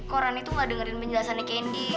kok rani tuh gak dengerin penjelasannya candy